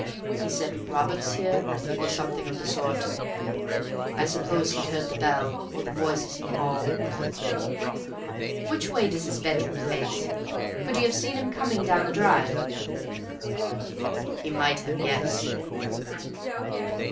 "He said, 'Robert's here?' or something of the sort. I suppose he'd heard the bell, or the voices in the hall." "Which way does his bedroom face? Could he have seen him coming down the drive?" "He might have, yes."